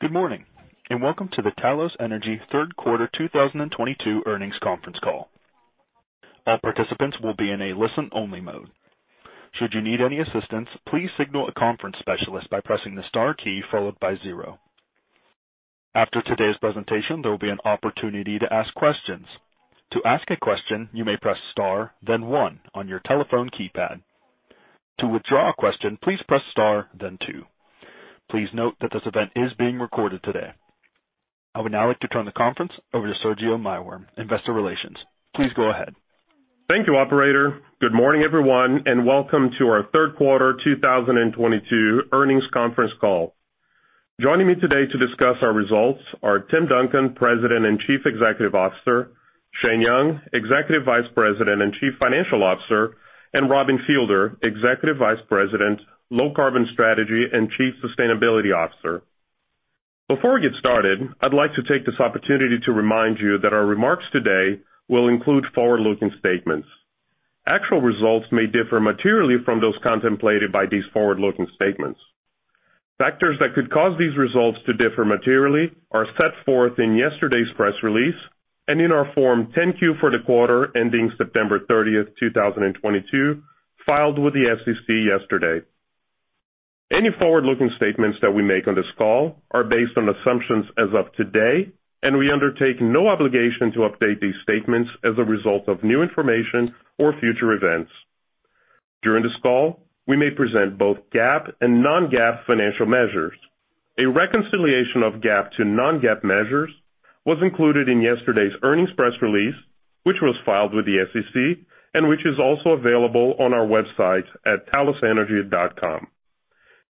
Good morning, and welcome to the Talos Energy third quarter 2022 earnings conference call. All participants will be in a listen-only mode. Should you need any assistance, please signal a conference specialist by pressing the star key followed by zero. After today's presentation, there will be an opportunity to ask questions. To ask a question, you may press star, then one on your telephone keypad. To withdraw a question, please press star then two. Please note that this event is being recorded today. I would now like to turn the conference over to Sergio Maiworm, Investor Relations. Please go ahead. Thank you, operator. Good morning, everyone, and welcome to our third quarter 2022 earnings conference call. Joining me today to discuss our results are Tim Duncan, President and Chief Executive Officer, Shane Young, Executive Vice President and Chief Financial Officer, and Robin Fielder, Executive Vice President, Low Carbon Strategy and Chief Sustainability Officer. Before we get started, I'd like to take this opportunity to remind you that our remarks today will include forward-looking statements. Actual results may differ materially from those contemplated by these forward-looking statements. Factors that could cause these results to differ materially are set forth in yesterday's press release and in our Form 10-Q for the quarter ending September 30, 2022, filed with the SEC yesterday. Any forward-looking statements that we make on this call are based on assumptions as of today, and we undertake no obligation to update these statements as a result of new information or future events. During this call, we may present both GAAP and non-GAAP financial measures. A reconciliation of GAAP to non-GAAP measures was included in yesterday's earnings press release, which was filed with the SEC and which is also available on our website at talosenergy.com.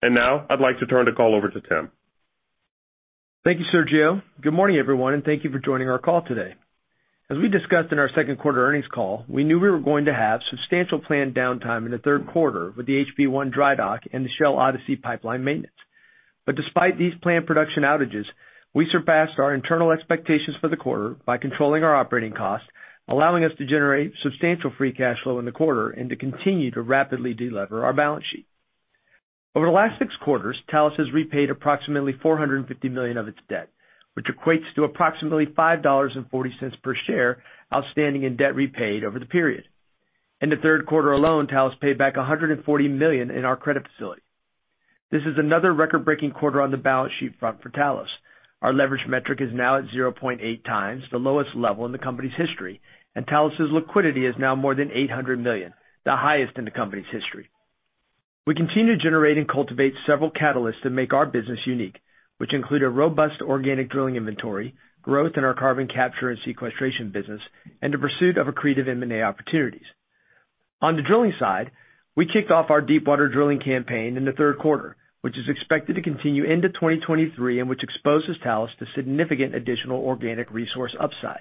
Now I'd like to turn the call over to Tim. Thank you, Sergio. Good morning, everyone, and thank you for joining our call today. As we discussed in our second quarter earnings call, we knew we were going to have substantial planned downtime in the third quarter with the HP-1 dry dock and the Shell Odyssey Pipeline maintenance. Despite these planned production outages, we surpassed our internal expectations for the quarter by controlling our operating costs, allowing us to generate substantial free cash flow in the quarter and to continue to rapidly delever our balance sheet. Over the last six quarters, Talos has repaid approximately $450 million of its debt, which equates to approximately $5.40 per share outstanding in debt repaid over the period. In the third quarter alone, Talos paid back $140 million in our credit facility. This is another record-breaking quarter on the balance sheet front for Talos. Our leverage metric is now at 0.8x the lowest level in the company's history, and Talos's liquidity is now more than $800 million, the highest in the company's history. We continue to generate and cultivate several catalysts that make our business unique, which include a robust organic drilling inventory, growth in our carbon capture and sequestration business, and the pursuit of accretive M&A opportunities. On the drilling side, we kicked off our deepwater drilling campaign in the third quarter, which is expected to continue into 2023 and which exposes Talos to significant additional organic resource upside.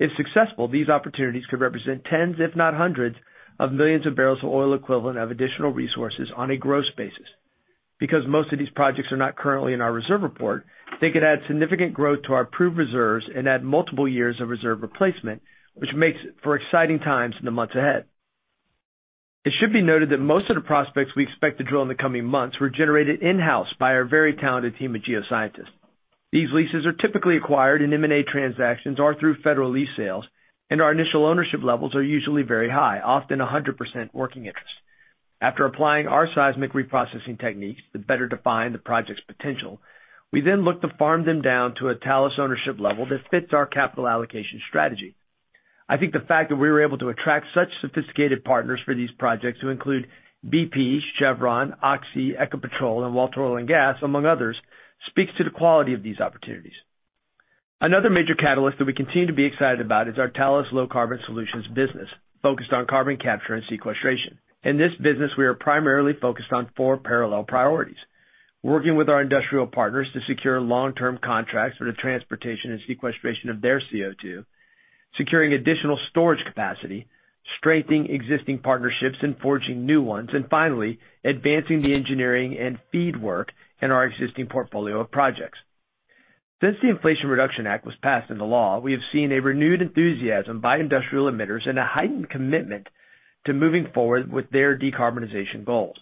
If successful, these opportunities could represent tens, if not hundreds, of millions of barrels of oil equivalent of additional resources on a gross basis. Because most of these projects are not currently in our reserve report, they could add significant growth to our approved reserves and add multiple years of reserve replacement, which makes for exciting times in the months ahead. It should be noted that most of the prospects we expect to drill in the coming months were generated in-house by our very talented team of geoscientists. These leases are typically acquired in M&A transactions or through federal lease sales, and our initial ownership levels are usually very high, often 100% working interest. After applying our seismic reprocessing techniques to better define the project's potential, we then look to farm them down to a Talos ownership level that fits our capital allocation strategy. I think the fact that we were able to attract such sophisticated partners for these projects to include BP, Chevron, Oxy, EnVen and Walter Oil & Gas, among others, speaks to the quality of these opportunities. Another major catalyst that we continue to be excited about is our Talos Low Carbon Solutions business, focused on carbon capture and sequestration. In this business, we are primarily focused on four parallel priorities. Working with our industrial partners to secure long-term contracts for the transportation and sequestration of their CO2, securing additional storage capacity, strengthening existing partnerships and forging new ones, and finally, advancing the engineering and FEED work in our existing portfolio of projects. Since the Inflation Reduction Act was passed into law, we have seen a renewed enthusiasm by industrial emitters and a heightened commitment to moving forward with their decarbonization goals.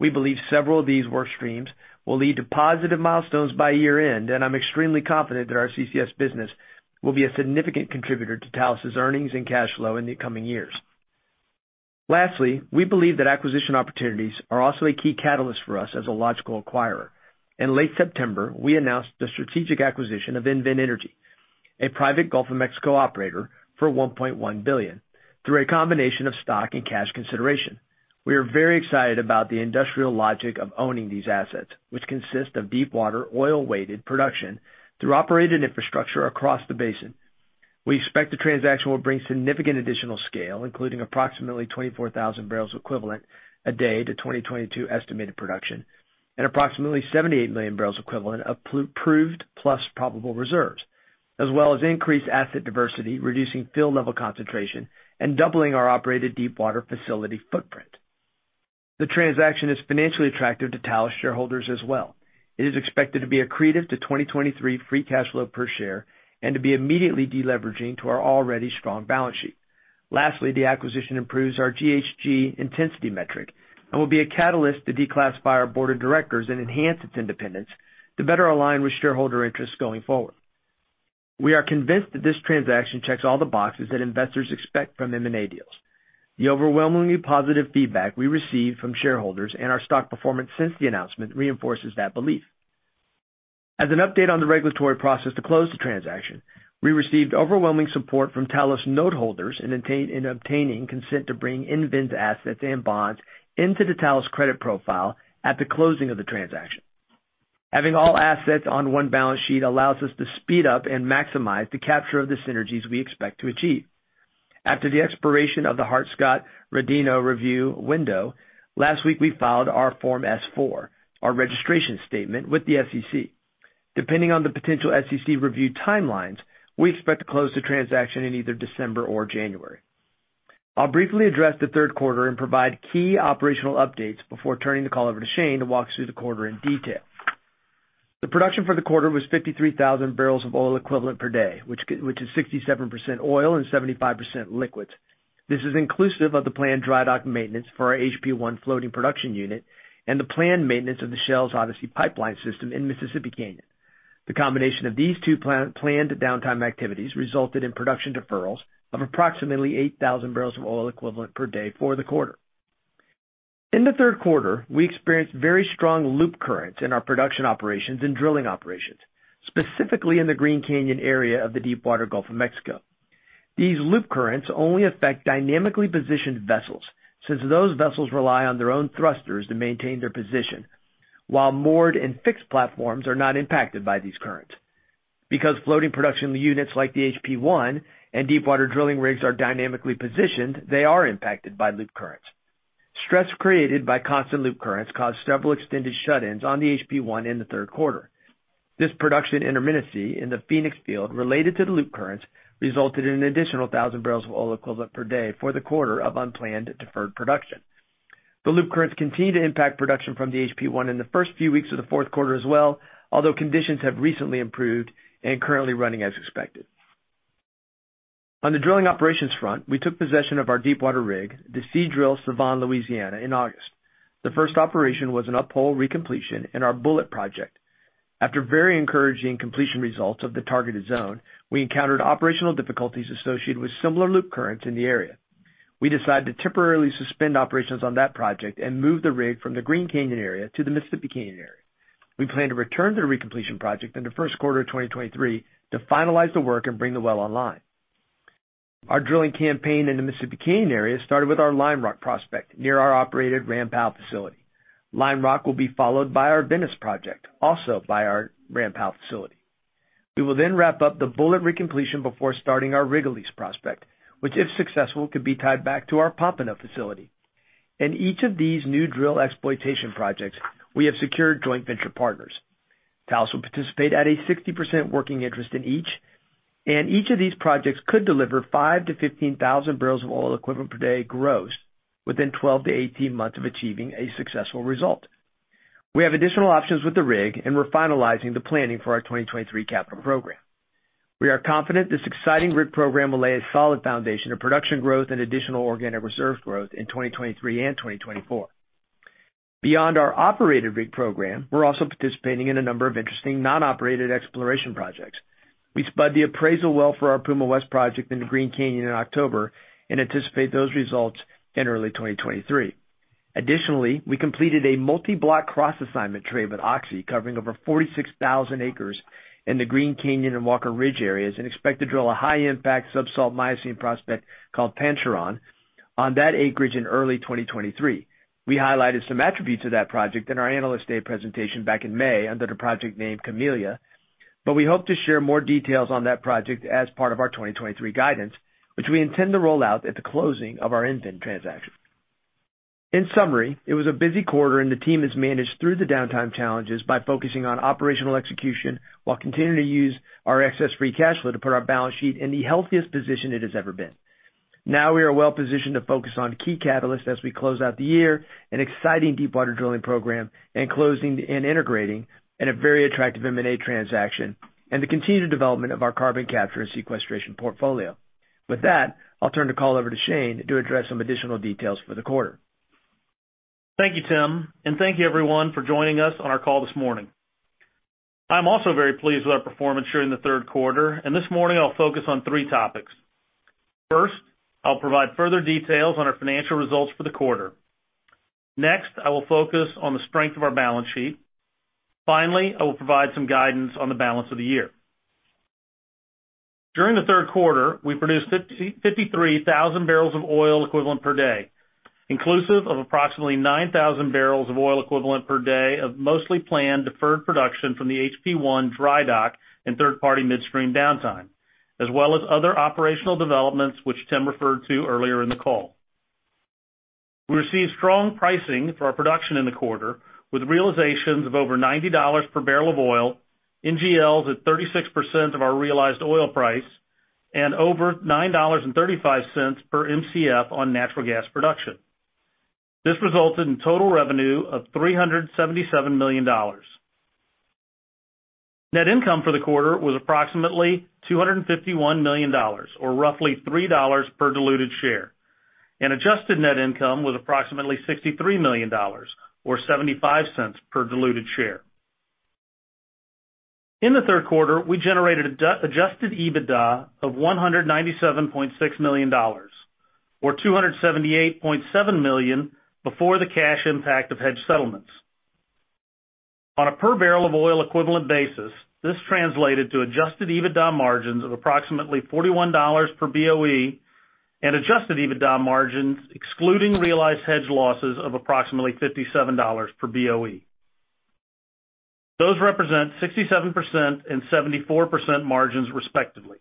We believe several of these work streams will lead to positive milestones by year-end, and I'm extremely confident that our CCS business will be a significant contributor to Talos' earnings and cash flow in the coming years. Lastly, we believe that acquisition opportunities are also a key catalyst for us as a logical acquirer. In late September, we announced the strategic acquisition of EnVen Energy, a private Gulf of Mexico operator, for $1.1 billion, through a combination of stock and cash consideration. We are very excited about the industrial logic of owning these assets, which consist of deepwater oil-weighted production through operated infrastructure across the basin. We expect the transaction will bring significant additional scale, including approximately 24,000 bbl equivalent a day to 2022 estimated production and approximately 78 million barrels equivalent of proved plus probable reserves, as well as increased asset diversity, reducing field level concentration and doubling our operated deepwater facility footprint. The transaction is financially attractive to Talos shareholders as well. It is expected to be accretive to 2023 free cash flow per share and to be immediately deleveraging to our already strong balance sheet. Lastly, the acquisition improves our GHG intensity metric and will be a catalyst to declassify our board of directors and enhance its independence to better align with shareholder interests going forward. We are convinced that this transaction checks all the boxes that investors expect from M&A deals. The overwhelmingly positive feedback we received from shareholders and our stock performance since the announcement reinforces that belief. As an update on the regulatory process to close the transaction, we received overwhelming support from Talos note holders in obtaining consent to bring EnVen's assets and bonds into the Talos credit profile at the closing of the transaction. Having all assets on one balance sheet allows us to speed up and maximize the capture of the synergies we expect to achieve. After the expiration of the Hart-Scott-Rodino review window, last week, we filed our Form S-4, our registration statement with the SEC. Depending on the potential SEC review timelines, we expect to close the transaction in either December or January. I'll briefly address the third quarter and provide key operational updates before turning the call over to Shane to walk through the quarter in detail. The production for the quarter was 53,000 bbl of oil equivalent per day, which is 67% oil and 75% liquids. This is inclusive of the planned dry dock maintenance for our HP-1 floating production unit and the planned maintenance of Shell's Odyssey Pipeline system in Mississippi Canyon. The combination of these two planned downtime activities resulted in production deferrals of approximately 8,000 bbl of oil equivalent per day for the quarter. In the third quarter, we experienced very strong loop currents in our production operations and drilling operations, specifically in the Green Canyon area of the Deepwater Gulf of Mexico. These loop currents only affect dynamically positioned vessels, since those vessels rely on their own thrusters to maintain their position. While moored and fixed platforms are not impacted by these currents. Because floating production units like the HP-1 and deepwater drilling rigs are dynamically positioned, they are impacted by loop currents. Stress created by constant loop currents caused several extended shut-ins on the HP-1 in the third quarter. This production intermittency in the Phoenix Field related to the loop currents resulted in an additional 1,000 bbl of oil equivalent per day for the quarter of unplanned deferred production. The loop currents continue to impact production from the HP-1 in the first few weeks of the fourth quarter as well, although conditions have recently improved and currently running as expected. On the drilling operations front, we took possession of our deepwater rig, the Seadrill Sevan Louisiana, in August. The first operation was an uphole recompletion in our Bullet project. After very encouraging completion results of the targeted zone, we encountered operational difficulties associated with similar loop currents in the area. We decided to temporarily suspend operations on that project and move the rig from the Green Canyon area to the Mississippi Canyon area. We plan to return to the recompletion project in the first quarter of 2023 to finalize the work and bring the well online. Our drilling campaign in the Mississippi Canyon area started with our Lime Rock prospect, near our operated Ram Powell facility. Lime Rock will be followed by our Venice project, also by our Ram Powell facility. We will then wrap up the Bullet recompletion before starting our Rigolets prospect, which, if successful, could be tied back to our Pompano facility. In each of these new drill exploitation projects, we have secured joint venture partners. Talos will participate at a 60% working interest in each, and each of these projects could deliver 5,000-15,000 bbl of oil equivalent per day gross within 12-18 months of achieving a successful result. We have additional options with the rig, and we're finalizing the planning for our 2023 capital program. We are confident this exciting rig program will lay a solid foundation of production growth and additional organic reserve growth in 2023 and 2024. Beyond our operated rig program, we're also participating in a number of interesting non-operated exploration projects. We spud the appraisal well for our Puma West project in the Green Canyon in October and anticipate those results in early 2023. Additionally, we completed a multi-block cross assignment trade with Oxy, covering over 46,000 ac in the Green Canyon and Walker Ridge areas and expect to drill a high-impact subsalt Miocene prospect called Pancheron on that acreage in early 2023. We highlighted some attributes of that project in our Analyst Day presentation back in May under the project name Camellia, but we hope to share more details on that project as part of our 2023 guidance, which we intend to roll out at the closing of our EnVen transaction. In summary, it was a busy quarter, and the team has managed through the downtime challenges by focusing on operational execution while continuing to use our excess free cash flow to put our balance sheet in the healthiest position it has ever been. Now we are well-positioned to focus on key catalysts as we close out the year, an exciting deepwater drilling program, closing and integrating a very attractive M&A transaction, and the continued development of our carbon capture and sequestration portfolio. With that, I'll turn the call over to Shane to address some additional details for the quarter. Thank you, Tim, and thank you everyone for joining us on our call this morning. I'm also very pleased with our performance during the third quarter, and this morning I'll focus on three topics. First, I'll provide further details on our financial results for the quarter. Next, I will focus on the strength of our balance sheet. Finally, I will provide some guidance on the balance of the year. During the third quarter, we produced 53,000 bbl of oil equivalent per day, inclusive of approximately 9,000 bbl of oil equivalent per day of mostly planned deferred production from the HP-1 dry dock and third-party midstream downtime, as well as other operational developments which Tim referred to earlier in the call. We received strong pricing for our production in the quarter, with realizations of over $90 per barrel of oil, NGLs at 36% of our realized oil price, and over $9.35 per Mcf on natural gas production. This resulted in total revenue of $377 million. Net income for the quarter was approximately $251 million, or roughly $3 per diluted share. Adjusted net income was approximately $63 million or $0.75 per diluted share. In the third quarter, we generated adjusted EBITDA of $197.6 million or $278.7 million before the cash impact of hedge settlements. On a per barrel of oil equivalent basis, this translated to adjusted EBITDA margins of approximately $41 per BOE and adjusted EBITDA margins excluding realized hedge losses of approximately $57 per BOE. Those represent 67% and 74% margins, respectively.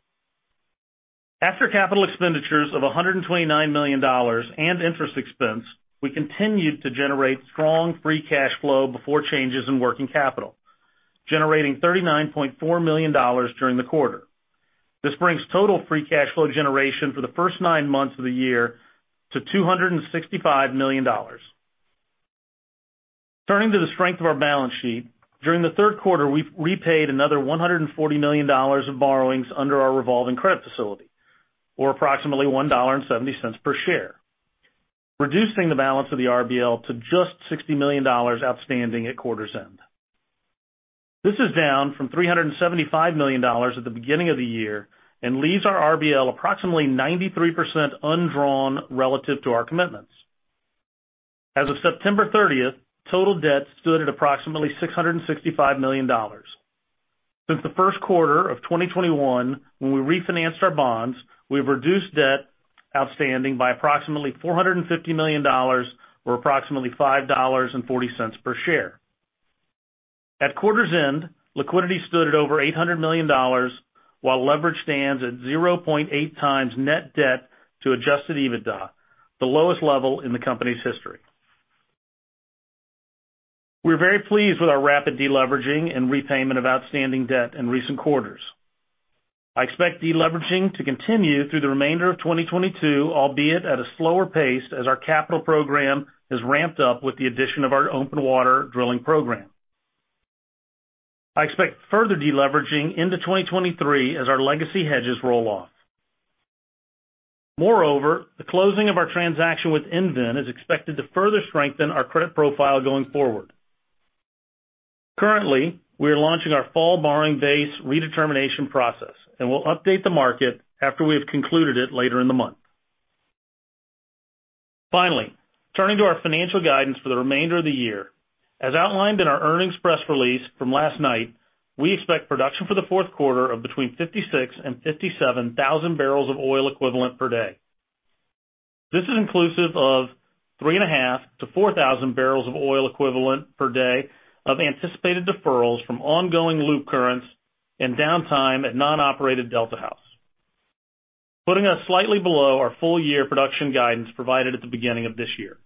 After capital expenditures of $129 million and interest expense, we continued to generate strong free cash flow before changes in working capital, generating $39.4 million during the quarter. This brings total free cash flow generation for the first nine months of the year to $265 million. Turning to the strength of our balance sheet, during the third quarter, we've repaid another $140 million of borrowings under our revolving credit facility or approximately $1.70 per share, reducing the balance of the RBL to just $60 million outstanding at quarter's end. This is down from $375 million at the beginning of the year and leaves our RBL approximately 93% undrawn relative to our commitments. As of September 30th, total debt stood at approximately $665 million. Since the first quarter of 2021, when we refinanced our bonds, we've reduced debt outstanding by approximately $450 million or approximately $5.40 per share. At quarter's end, liquidity stood at over $800 million, while leverage stands at 0.8x net debt to adjusted EBITDA, the lowest level in the company's history. We're very pleased with our rapid deleveraging and repayment of outstanding debt in recent quarters. I expect deleveraging to continue through the remainder of 2022, albeit at a slower pace as our capital program is ramped up with the addition of our open water drilling program. I expect further deleveraging into 2023 as our legacy hedges roll off. Moreover, the closing of our transaction with EnVen is expected to further strengthen our credit profile going forward. Currently, we are launching our fall borrowing base redetermination process, and we'll update the market after we have concluded it later in the month. Finally, turning to our financial guidance for the remainder of the year. As outlined in our earnings press release from last night, we expect production for the fourth quarter of between 56,000 and 57,000 bbl of oil equivalent per day. This is inclusive of 3.5-4,000 bbl of oil equivalent per day of anticipated deferrals from ongoing loop currents and downtime at non-operated Delta House, putting us slightly below our full year production guidance provided at the beginning of this year.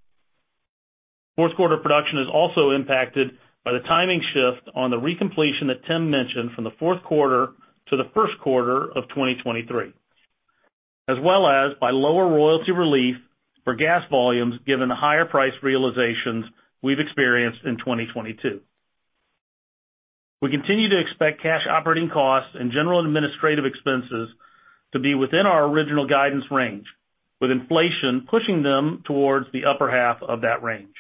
Fourth quarter production is also impacted by the timing shift on the recompletion that Tim mentioned from the fourth quarter to the first quarter of 2023, as well as by lower royalty relief for gas volumes given the higher price realizations we've experienced in 2022. We continue to expect cash operating costs and general administrative expenses to be within our original guidance range, with inflation pushing them towards the upper half of that range.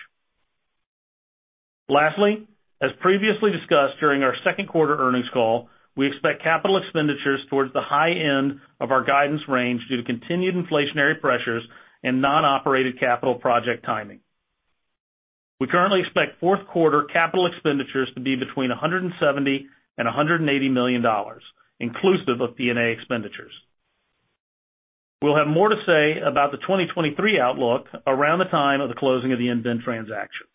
Lastly, as previously discussed during our second quarter earnings call, we expect capital expenditures towards the high end of our guidance range due to continued inflationary pressures and non-operated capital project timing. We currently expect fourth quarter capital expenditures to be between $170 million and $180 million, inclusive of D&A expenditures. We'll have more to say about the 2023 outlook around the time of the closing of the EnVen transaction.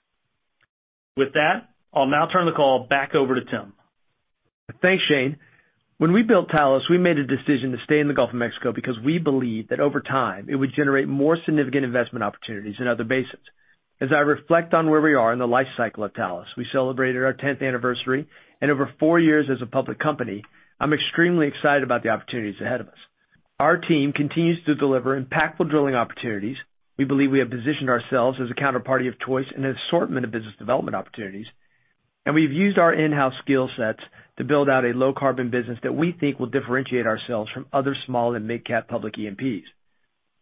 With that, I'll now turn the call back over to Tim. Thanks, Shane. When we built Talos, we made a decision to stay in the Gulf of Mexico because we believed that over time, it would generate more significant investment opportunities in other basins. As I reflect on where we are in the life cycle of Talos, we celebrated our 10th anniversary and over four years as a public company, I'm extremely excited about the opportunities ahead of us. Our team continues to deliver impactful drilling opportunities. We believe we have positioned ourselves as a counterparty of choice in an assortment of business development opportunities. We've used our in-house skill sets to build out a low carbon business that we think will differentiate ourselves from other small and mid-cap public E&Ps.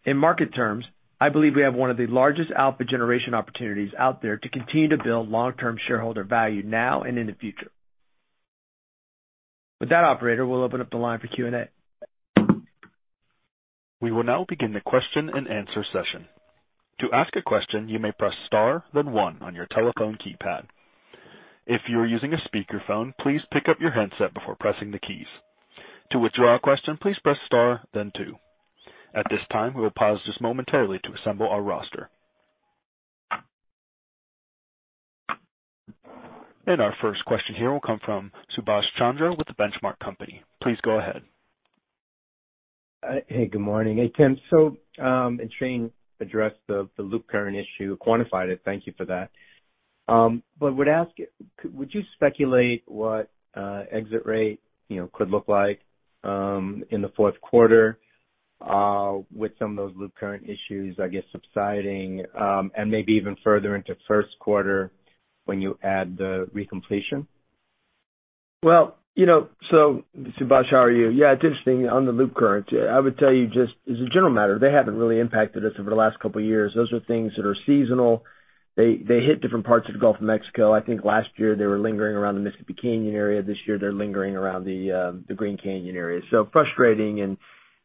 In market terms, I believe we have one of the largest alpha generation opportunities out there to continue to build long-term shareholder value now and in the future. With that operator, we'll open up the line for Q&A. We will now begin the question and answer session. To ask a question, you may press star then one on your telephone keypad. If you are using a speakerphone, please pick up your handset before pressing the keys. To withdraw a question, please press star then two. At this time, we will pause just momentarily to assemble our roster. Our first question here will come from Subash Chandra with The Benchmark Company. Please go ahead. Hey, good morning. Hey, Tim. Shane addressed the loop current issue, quantified it. Thank you for that. Would you speculate what exit rate, you know, could look like in the fourth quarter? With some of those loop current issues, I guess, subsiding and maybe even further into first quarter when you add the recompletion. Well, you know, Subash, how are you? Yeah, it's interesting. On the Loop Current, I would tell you just as a general matter, they haven't really impacted us over the last couple of years. Those are things that are seasonal. They hit different parts of the Gulf of Mexico. I think last year they were lingering around the Mississippi Canyon area. This year they're lingering around the Green Canyon area. So frustrating and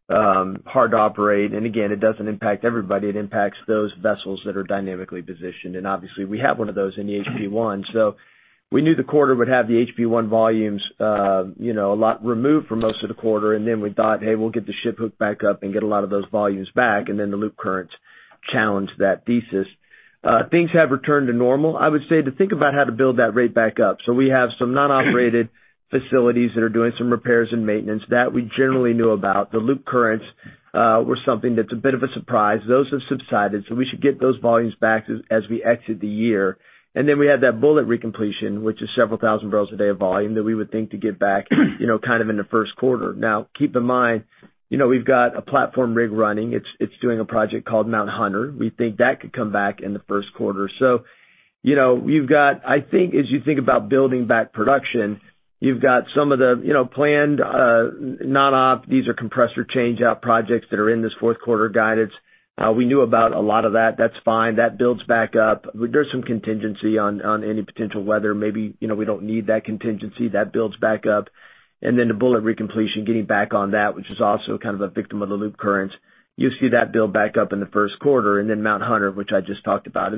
hard to operate. And again, it doesn't impact everybody. It impacts those vessels that are dynamically positioned. And obviously we have one of those in the HP-1. So we knew the quarter would have the HP-1 volumes, you know, a lot removed for most of the quarter. And then we thought, hey, we'll get the ship hooked back up and get a lot of those volumes back. The loop currents challenged that thesis. Things have returned to normal, I would say, to think about how to build that rate back up. We have some non-operated facilities that are doing some repairs and maintenance that we generally knew about. The loop currents were something that's a bit of a surprise. Those have subsided, so we should get those volumes back as we exit the year. We have that bullet recompletion, which is several thousand barrels a day of volume that we would think to get back, you know, kind of in the first quarter. Now, keep in mind, you know, we've got a platform rig running. It's doing a project called Mount Hunter. We think that could come back in the first quarter. You know, we've got, I think as you think about building back production, you've got some of the, you know, planned. These are compressor change out projects that are in this fourth quarter guidance. We knew about a lot of that. That's fine. That builds back up. There's some contingency on any potential weather. Maybe, you know, we don't need that contingency. That builds back up. The bullhead recompletion getting back on that, which is also kind of a victim of the loop currents. You'll see that build back up in the first quarter. Mount Hunter, which I just talked about.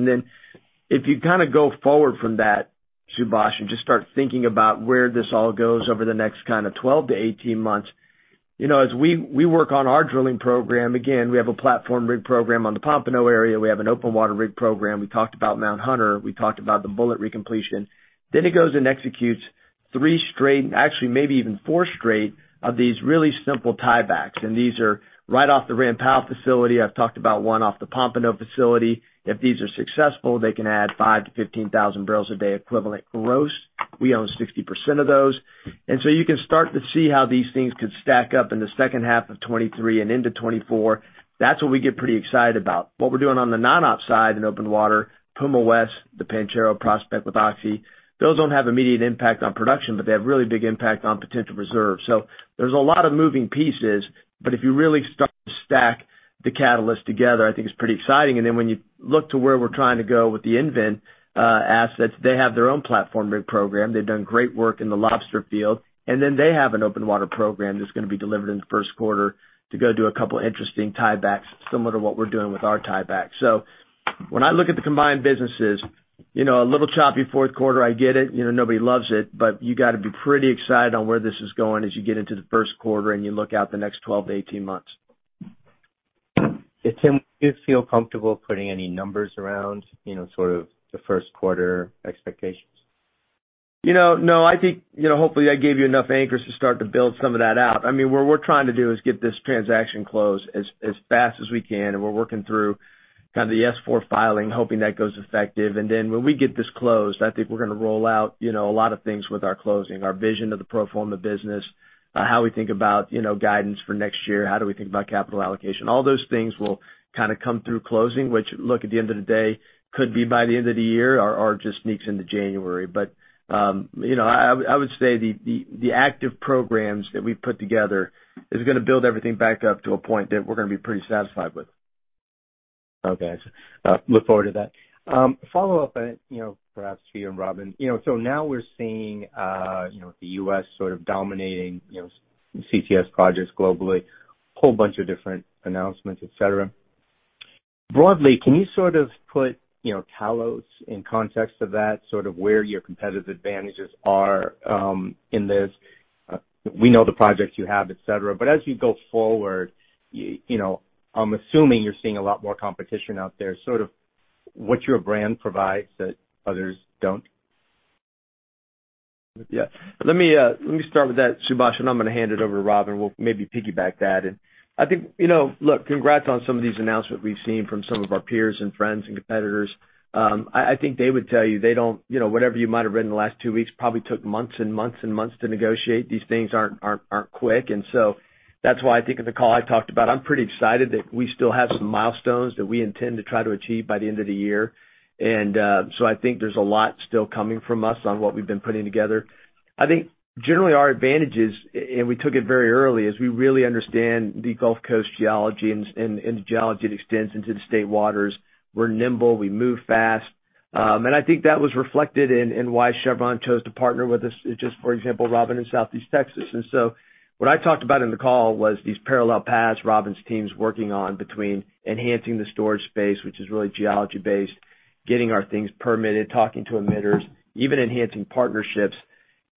If you kind of go forward from that, Subash, and just start thinking about where this all goes over the next kind of 12-18 months. You know, as we work on our drilling program, again, we have a platform rig program on the Pompano area. We have an open water rig program. We talked about Mount Hunter. We talked about the bullet recompletion. It goes and executes three straight, actually maybe even four straight, of these really simple tiebacks. These are right off the Ram Powell facility. I've talked about one off the Pompano facility. If these are successful, they can add 5-15,000 bbl a day equivalent gross. We own 60% of those. You can start to see how these things could stack up in the second half of 2023 and into 2024. That's what we get pretty excited about. What we're doing on the non-op side in open water, Puma West, the Pancheron prospect with Oxy. Those don't have immediate impact on production, but they have really big impact on potential reserves. There's a lot of moving pieces. If you really start to stack the catalyst together, I think it's pretty exciting. When you look to where we're trying to go with the EnVen assets, they have their own platform rig program. They've done great work in the Lobster field, and then they have an open water program that's gonna be delivered in the first quarter to go do a couple interesting tiebacks, similar to what we're doing with our tiebacks. When I look at the combined businesses, you know, a little choppy fourth quarter, I get it. You know, nobody loves it, but you got to be pretty excited on where this is going as you get into the first quarter and you look out the next 12-18 months. Tim, do you feel comfortable putting any numbers around, you know, sort of the first quarter expectations? You know, no, I think, you know, hopefully, I gave you enough anchors to start to build some of that out. I mean, what we're trying to do is get this transaction closed as fast as we can, and we're working through kind of the S-4 filing, hoping that goes effective. When we get this closed, I think we're gonna roll out, you know, a lot of things with our closing, our vision of the pro forma business, how we think about, you know, guidance for next year, how do we think about capital allocation. All those things will kind of come through closing, which look, at the end of the day, could be by the end of the year or just sneaks into January. You know, I would say the active programs that we put together is gonna build everything back up to a point that we're gonna be pretty satisfied with. Okay. Look forward to that. Follow up, you know, perhaps for you and Robin. You know, now we're seeing, you know, the U.S. sort of dominating, you know, CCS projects globally, whole bunch of different announcements, et cetera. Broadly, can you sort of put, you know, Talos in context of that, sort of where your competitive advantages are, in this? We know the projects you have, etc. As you go forward, you know, I'm assuming you're seeing a lot more competition out there, sort of what your brand provides that others don't. Yeah. Let me start with that, Subash, and I'm gonna hand it over to Robin. We'll maybe piggyback that. I think, you know, look, congrats on some of these announcements we've seen from some of our peers and friends and competitors. I think they would tell you they don't, you know, whatever you might have read in the last two weeks probably took months to negotiate. These things aren't quick. That's why I think in the call I talked about, I'm pretty excited that we still have some milestones that we intend to try to achieve by the end of the year. I think there's a lot still coming from us on what we've been putting together. I think generally our advantages, and we took it very early, is we really understand the Gulf Coast geology and the geology that extends into the state waters. We're nimble, we move fast. I think that was reflected in why Chevron chose to partner with us, just for example, Robin, in Southeast Texas. What I talked about in the call was these parallel paths Robin's team's working on between enhancing the storage space, which is really geology-based, getting our things permitted, talking to emitters, even enhancing partnerships.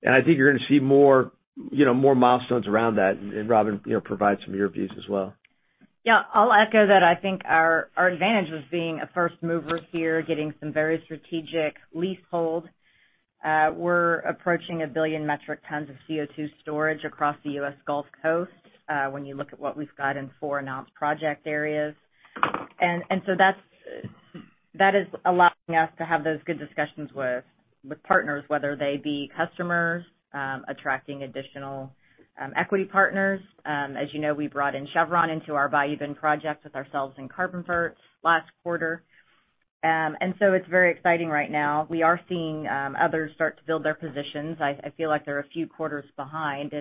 I think you're gonna see more, you know, more milestones around that. Robin, you know, provide some of your views as well. Yeah, I'll echo that. I think our advantage was being a first mover here, getting some very strategic leasehold. We're approaching a billion metric tons of CO2 storage across the U.S. Gulf Coast, when you look at what we've got in four announced project areas. That is allowing us to have those good discussions with partners, whether they be customers, attracting additional equity partners. As you know, we brought in Chevron into our Bayou Bend project with ourselves and Carbonvert last quarter. It's very exciting right now. We are seeing others start to build their positions. I feel like they're a few quarters behind.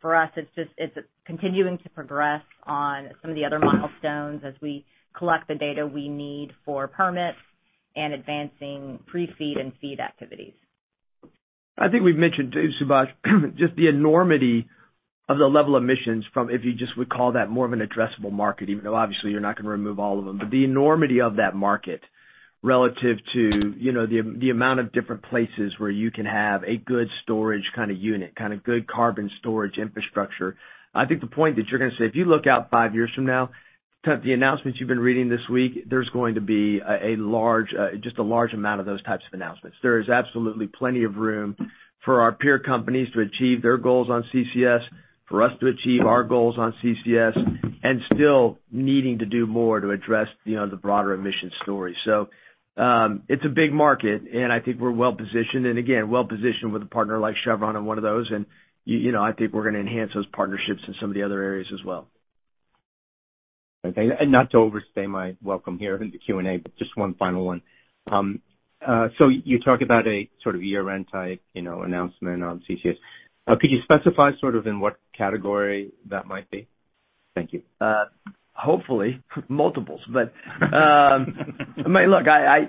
For us, it's continuing to progress on some of the other milestones as we collect the data we need for permits and advancing pre-FEED and FEED activities. I think we've mentioned too, Subash, just the enormity of the level of emissions from if you just would call that more of an addressable market, even though obviously you're not gonna remove all of them. The enormity of that market relative to, you know, the amount of different places where you can have a good storage kind of unit, kind of good carbon storage infrastructure. I think the point that you're gonna say, if you look out five years from now, kind of the announcements you've been reading this week, there's going to be a large amount of those types of announcements. There is absolutely plenty of room for our peer companies to achieve their goals on CCS, for us to achieve our goals on CCS, and still needing to do more to address, you know, the broader emissions story. It's a big market, and I think we're well-positioned, and again, well-positioned with a partner like Chevron on one of those. You know, I think we're gonna enhance those partnerships in some of the other areas as well. Okay. Not to overstay my welcome here in the Q&A, but just one final one. You talk about a sort of year-end type, you know, announcement on CCS. Could you specify sort of in what category that might be? Thank you. Hopefully multiples. I mean, look, I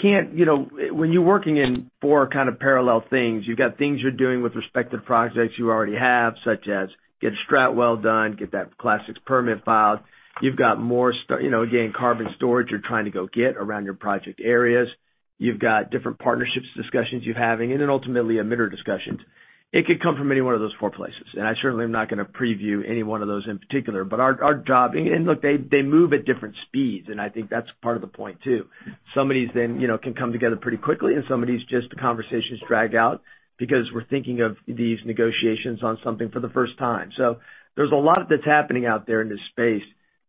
can't. You know, when you're working in four kind of parallel things, you've got things you're doing with respect to projects you already have, such as get a strat well done, get that Class VI permit filed. You've got more, you know, again, carbon storage you're trying to go get around your project areas. You've got different partnerships discussions you're having, and then ultimately emitter discussions. It could come from any one of those four places, and I certainly am not gonna preview any one of those in particular. Our job. Look, they move at different speeds, and I think that's part of the point too. Some of these then, you know, can come together pretty quickly, and some of these just the conversations drag out because we're thinking of these negotiations on something for the first time. There's a lot that's happening out there in this space.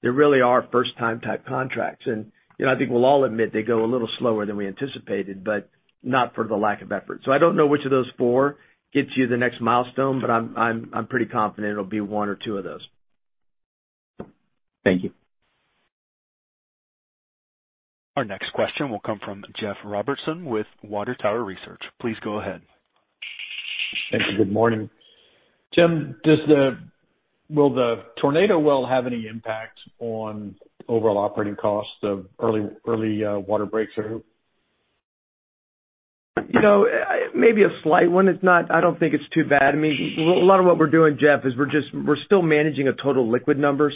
There really are first-time type contracts. You know, I think we'll all admit they go a little slower than we anticipated, but not for the lack of effort. I don't know which of those four gets you the next milestone, but I'm pretty confident it'll be one or two of those. Thank you. Our next question will come from Jeff Robertson with Water Tower Research. Please go ahead. Thank you. Good morning. Tim, will the Tornado well have any impact on overall operating costs or early water breaks, or? You know, maybe a slight one. I don't think it's too bad. I mean, a lot of what we're doing, Jeff, is we're still managing a total liquid number.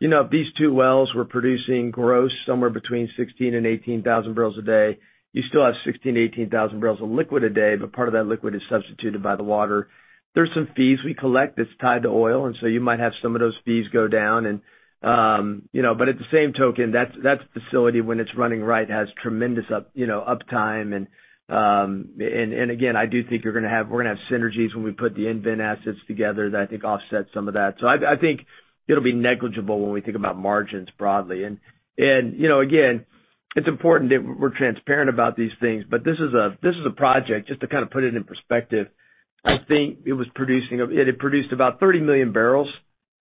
You know, these two wells were producing gross somewhere between 16 and 18,000 bbl a day. You still have 16-18,000 bbl of liquid a day, but part of that liquid is substituted by the water. There's some fees we collect that's tied to oil, and so you might have some of those fees go down. You know, but at the same time, that facility when it's running right has tremendous uptime. Again, I do think we're gonna have synergies when we put the EnVen assets together that I think offset some of that. I think it'll be negligible when we think about margins broadly. You know, again, it's important that we're transparent about these things, but this is a project, just to kind of put it in perspective. I think it had produced about 30 million barrels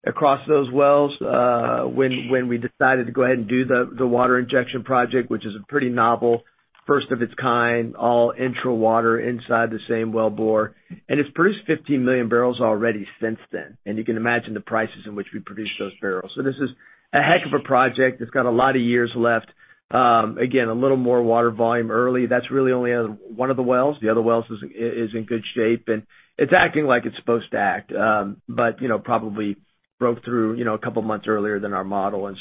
across those wells when we decided to go ahead and do the water injection project, which is a pretty novel, first of its kind, all in the water inside the same wellbore. It's produced 15 million barrels already since then, and you can imagine the prices in which we produced those barrels. This is a heck of a project. It's got a lot of years left. Again, a little more water volume early. That's really only one of the wells. The other wells is in good shape, and it's acting like it's supposed to act. You know, probably broke through, you know, a couple months earlier than our model.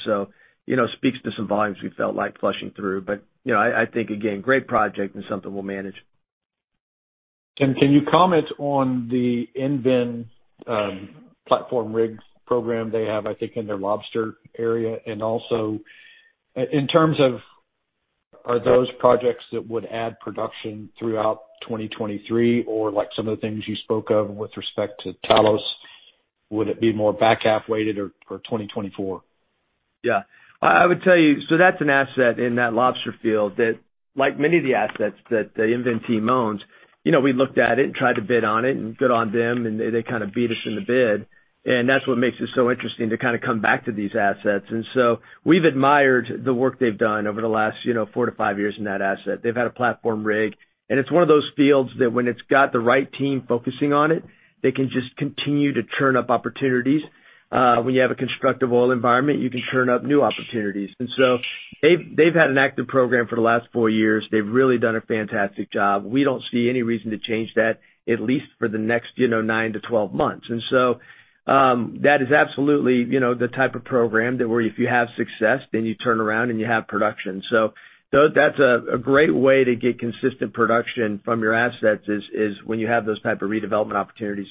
You know, speaks to some volumes we felt like flushing through. You know, I think again, great project and something we'll manage. Tim, can you comment on the EnVen platform rigs program they have, I think, in their Lobster area? Also, in terms of are those projects that would add production throughout 2023 or like some of the things you spoke of with respect to Talos, would it be more back half weighted or 2024? I would tell you that's an asset in that Lobster field that like many of the assets that the EnVen team owns, you know, we looked at it and tried to bid on it and good on them, and they kind of beat us in the bid. That's what makes it so interesting to kind of come back to these assets. We've admired the work they've done over the last, you know, four-five years in that asset. They've had a platform rig, and it's one of those fields that when it's got the right team focusing on it, they can just continue to churn up opportunities. When you have a constructive oil environment, you can churn up new opportunities. They've had an active program for the last four years. They've really done a fantastic job. We don't see any reason to change that, at least for the next, you know, nine-12 months. That is absolutely, you know, the type of program that where if you have success, then you turn around and you have production. That's a great way to get consistent production from your assets is when you have those type of redevelopment opportunities.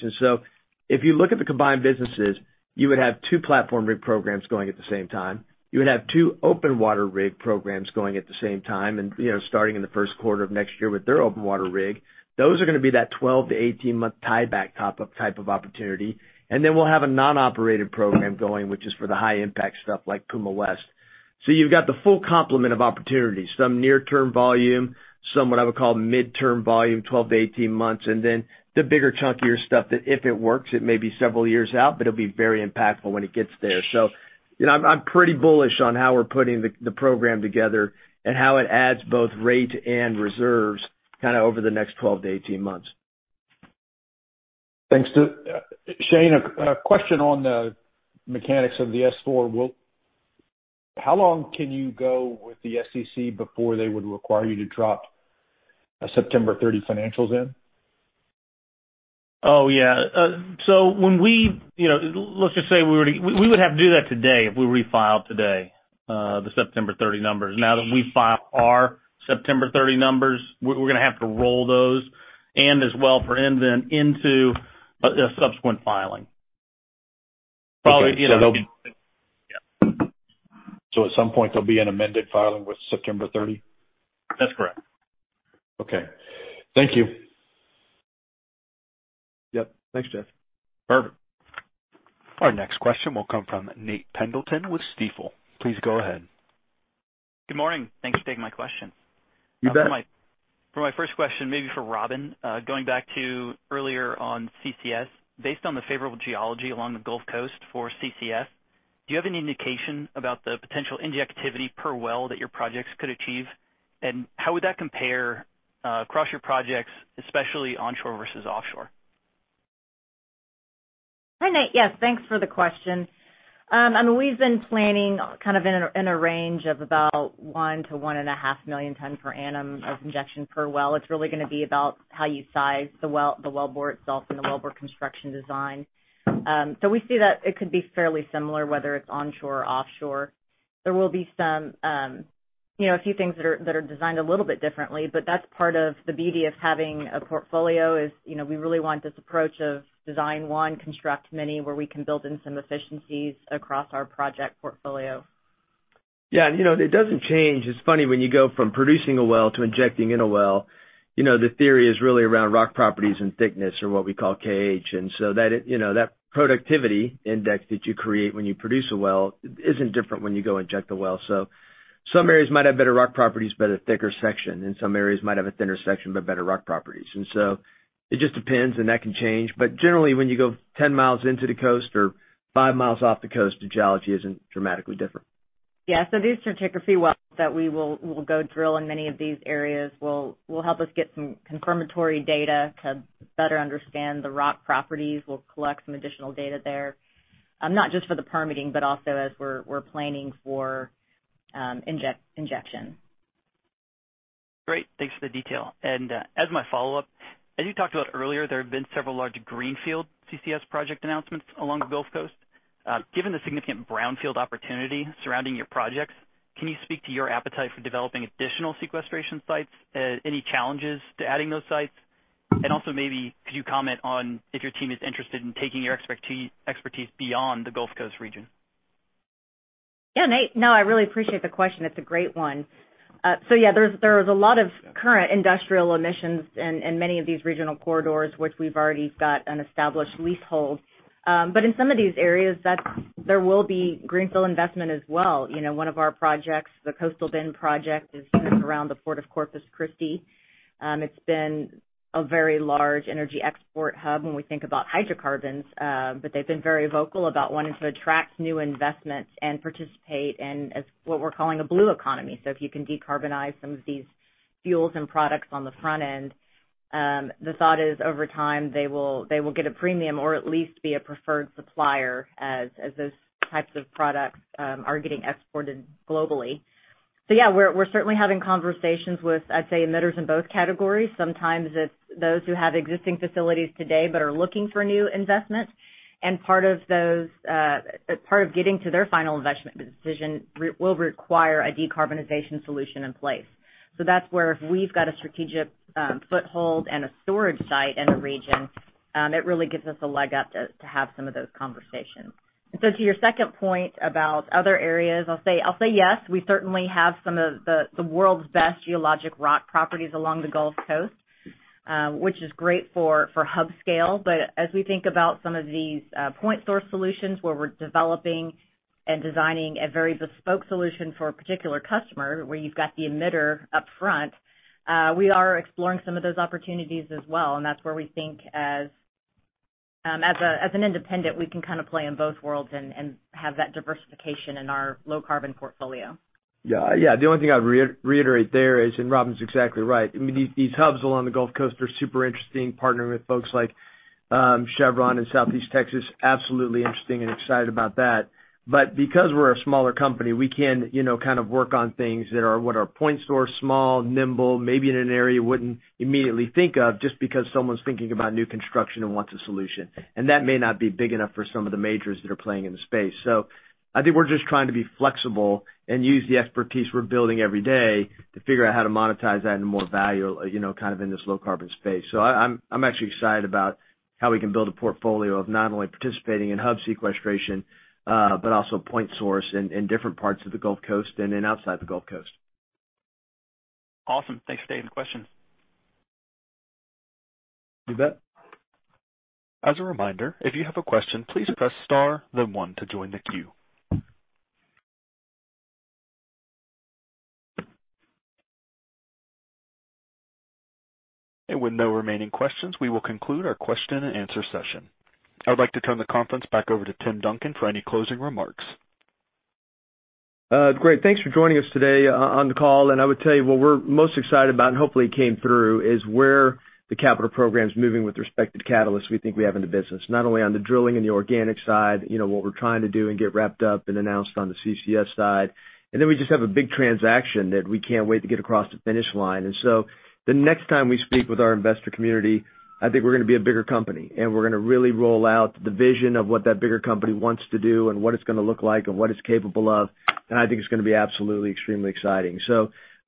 If you look at the combined businesses, you would have two platform rig programs going at the same time. You would have two open water rig programs going at the same time. Starting in the first quarter of next year with their open water rig, those are gonna be that 12-18-month tieback type of opportunity. Then we'll have a non-operated program going, which is for the high impact stuff like Puma West. You've got the full complement of opportunities, some near term volume, some what I would call midterm volume, 12-18 months, and then the bigger chunkier stuff that if it works, it may be several years out, but it'll be very impactful when it gets there. You know, I'm pretty bullish on how we're putting the program together and how it adds both rate and reserves kind of over the next 12-18 months. Thanks. Shane, a question on the mechanics of the S-4. How long can you go with the SEC before they would require you to drop a September 30 financials in? Oh, yeah. When we, you know, let's just say we would have to do that today if we refiled today, the September 30 numbers. Now that we file our September 30 numbers, we're gonna have to roll those forward as well and then into a subsequent filing. Probably, you know, yeah. At some point there'll be an amended filing with September 30? That's correct. Okay. Thank you. Yep. Thanks, Jeff. Perfect. Our next question will come from Nathan Pendleton with Stifel. Please go ahead. Good morning. Thanks for taking my question. You bet. For my first question maybe for Robin, going back to earlier on CCS. Based on the favorable geology along the Gulf Coast for CCS, do you have any indication about the potential injectivity per well that your projects could achieve? How would that compare across your projects, especially onshore versus offshore? Hi, Nate. Yes, thanks for the question. I mean, we've been planning kind of in a range of about 1-1.5 million tons per annum of injection per well. It's really gonna be about how you size the well, the wellbore itself and the wellbore construction design. We see that it could be fairly similar whether it's onshore or offshore. There will be some, you know, a few things that are designed a little bit differently, but that's part of the beauty of having a portfolio is, you know, we really want this approach of design one, construct many where we can build in some efficiencies across our project portfolio. Yeah. You know, it doesn't change. It's funny when you go from producing a well to injecting in a well, you know, the theory is really around rock properties and thickness or what we call KH. That it, you know, that productivity index that you create when you produce a well isn't different when you go inject a well. Some areas might have better rock properties but a thicker section, and some areas might have a thinner section but better rock properties. It just depends, and that can change. Generally, when you go 10 mi into the coast or 5 mi off the coast, the geology isn't dramatically different. Yeah. These Stratigraphic wells that we will go drill in many of these areas will help us get some confirmatory data to better understand the rock properties. We'll collect some additional data there, not just for the permitting, but also as we're planning for injection. Great. Thanks for the detail. As my follow-up, as you talked about earlier, there have been several large greenfield CCS project announcements along the Gulf Coast. Given the significant brownfield opportunity surrounding your projects, can you speak to your appetite for developing additional sequestration sites? Any challenges to adding those sites? Also maybe could you comment on if your team is interested in taking your expertise beyond the Gulf Coast region? Yeah, Nate. No, I really appreciate the question. It's a great one. So yeah, there's a lot of current industrial emissions in many of these regional corridors, which we've already got an established leasehold. In some of these areas, there will be greenfield investment as well. You know, one of our projects, the Coastal Bend project, is centered around the Port of Corpus Christi. It's been a very large energy export hub when we think about hydrocarbons, but they've been very vocal about wanting to attract new investments and participate in as what we're calling the Blue Economy. If you can decarbonize some of these fuels and products on the front end, the thought is over time, they will get a premium or at least be a preferred supplier as those types of products are getting exported globally. Yeah, we're certainly having conversations with, I'd say, emitters in both categories. Sometimes it's those who have existing facilities today but are looking for new investment. Part of getting to their final investment decision will require a decarbonization solution in place. That's where if we've got a strategic foothold and a storage site in the region, it really gives us a leg up to have some of those conversations. To your second point about other areas, I'll say yes, we certainly have some of the world's best geologic rock properties along the Gulf Coast, which is great for hub scale. As we think about some of these point source solutions where we're developing and designing a very bespoke solution for a particular customer where you've got the emitter upfront, we are exploring some of those opportunities as well. That's where we think as an independent, we can kind of play in both worlds and have that diversification in our low-carbon portfolio. Yeah. Yeah. The only thing I'd reiterate there is, Robin's exactly right. I mean, these hubs along the Gulf Coast are super interesting, partnering with folks like Chevron in Southeast Texas, absolutely interesting and excited about that. Because we're a smaller company, we can, you know, kind of work on things that are point source small, nimble, maybe in an area you wouldn't immediately think of just because someone's thinking about new construction and wants a solution. That may not be big enough for some of the majors that are playing in the space. I think we're just trying to be flexible and use the expertise we're building every day to figure out how to monetize that into more value, you know, kind of in this low-carbon space. I'm actually excited about how we can build a portfolio of not only participating in hub sequestration, but also point source in different parts of the Gulf Coast and then outside the Gulf Coast. Awesome. Thanks for taking the question. You bet. As a reminder, if you have a question, please press star then one to join the queue. With no remaining questions, we will conclude our question and answer session. I would like to turn the conference back over to Tim Duncan for any closing remarks. Great. Thanks for joining us today on the call. I would tell you what we're most excited about, and hopefully it came through, is where the capital program's moving with respect to catalysts we think we have in the business, not only on the drilling and the organic side, you know what we're trying to do and get wrapped up and announced on the CCS side. Then we just have a big transaction that we can't wait to get across the finish line. The next time we speak with our investor community, I think we're gonna be a bigger company, and we're gonna really roll out the vision of what that bigger company wants to do and what it's gonna look like and what it's capable of. I think it's gonna be absolutely extremely exciting.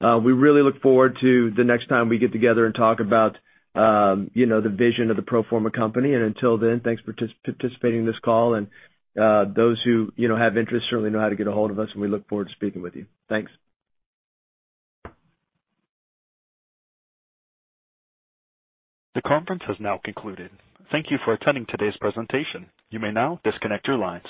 We really look forward to the next time we get together and talk about, you know, the vision of the pro forma company. Until then, thanks for participating in this call and those who, you know, have interest certainly know how to get ahold of us, and we look forward to speaking with you. Thanks. The conference has now concluded. Thank you for attending today's presentation. You may now disconnect your lines.